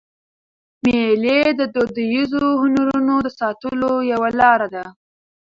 مېلې د دودیزو هنرونو د ساتلو یوه لاره ده.